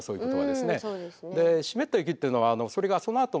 で湿った雪っていうのはそれがそのあと